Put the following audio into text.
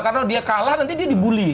karena kalau dia kalah nanti dia dibully